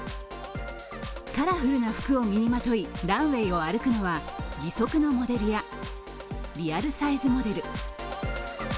カラフルな服をみにまといランウェイを歩くのは義足のモデルやリアルサイズモデル。